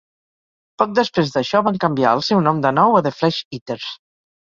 Poc després d'això van canviar el seu nom de nou a The Flesh Eaters.